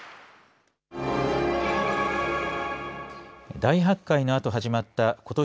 大発会のあと始まったことし